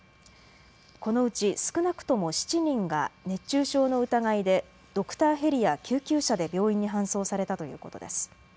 このうち少なくとも７人が熱中症の疑いでドクターヘリや救急車で病院に搬送されたということです。